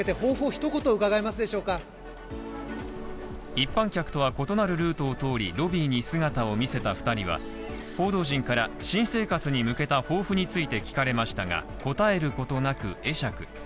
一般客とは異なるルートを通り、ロビーに姿を見せた２人は、報道陣から新生活に向けた抱負について聞かれましたが、答えることなく会釈。